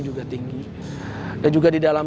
juga tinggi dan juga di dalam